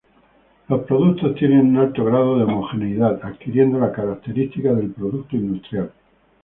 Los productos tienen un alto grado de homogeneidad adquiriendo la característica de producto industrial.